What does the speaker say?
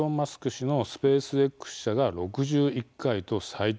氏のスペースＸ社が６１回と最多。